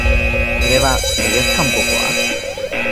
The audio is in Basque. Greba, legez kanpokoa?